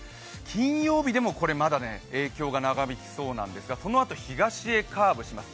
金曜日でもまだ影響が長引きそうなんですがそのあと、東へカーブします。